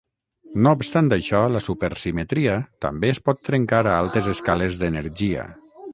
No obstant això, la supersimetria també es pot trencar a altes escales d'energia.